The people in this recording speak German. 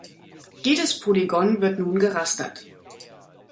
Jedes Polygon wird nun gerastert.